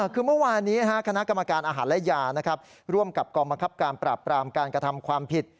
คือเมื่อวานนี้คณะกรรมการอาหารและยาร่วมกับกองบังคับการปราบปรามการกระทำความผิด